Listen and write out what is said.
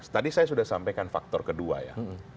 tadi saya sudah sampaikan faktor kedua ya